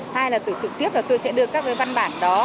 hai là tôi trực tiếp là tôi sẽ đưa các văn bản đó